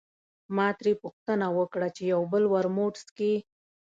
ما ترې پوښتنه وکړه چې یو بل ورموت څښې.